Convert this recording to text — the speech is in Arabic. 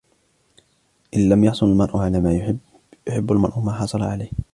إن لم يحصل المرء على ما يحب ، يحب المرء ما حصل عليه.